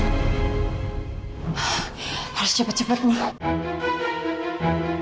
yang sepupu banget